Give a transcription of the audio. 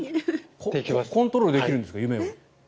夢はコントロールできるんですか。